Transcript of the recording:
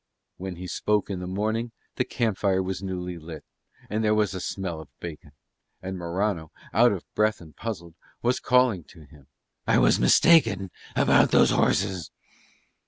When he spoke in the morning the camp fire was newly lit and there was a smell of bacon; and Morano, out of breath and puzzled, was calling to him. "Master," he said, "I was mistaken about those horses."